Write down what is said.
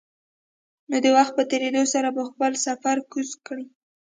نو د وخت په تېرېدو سره به خپل سپر کوز کړي.